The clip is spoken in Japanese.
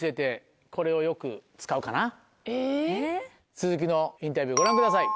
続きのインタビューご覧ください。